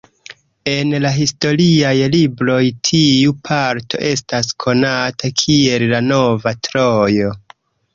En la historiaj libroj tiu parto estas konata kiel "La nova Trojo".